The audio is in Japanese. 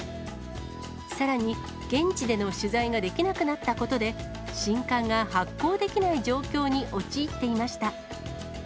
さらに、現地での取材ができなくなったことで、新刊が発行できない状況に陥っていました。